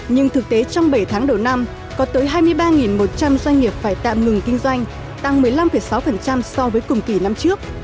nhưng thực tế trong bảy tháng đầu năm có tới hai mươi ba một trăm linh doanh nghiệp phải tạm ngừng kinh doanh tăng một mươi năm sáu so với cùng kỳ năm trước